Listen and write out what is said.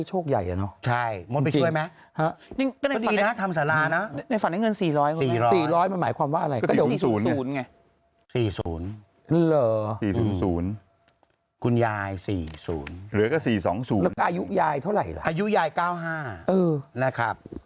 ๔๐เหลือก็๔๒๐อายุยายเท่าไหร่อายุยาย๙๕นะครับ